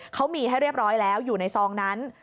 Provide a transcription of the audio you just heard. เขามีให้เรียบร้อยแล้วอยู่ในซองนั้น